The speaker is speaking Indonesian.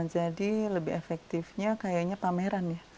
jadi lebih efektifnya kayaknya pameran ya